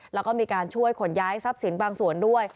แล้วก็มีการช่วยขนย้ายทรัพย์สินบางส่วนด้วย